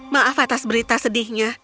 maaf atas berita sedikit